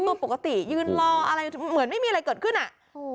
ตัวปกติยืนรออะไรเหมือนไม่มีอะไรเกิดขึ้นอ่ะโอ้โห